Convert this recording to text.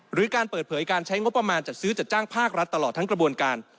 หรือการเปิดเผยการใช้งบประมาณจัดซื้อจัดจ้างภาครัฐตลอดทั้งกระบวนการ